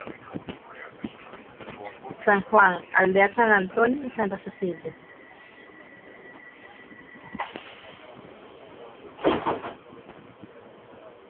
San Juan, Aldea San Antonio y Santa Celia.